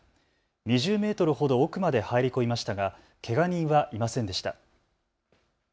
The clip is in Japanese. ２０メートルほど奥まで入り込みましたがけが人はいませんでした。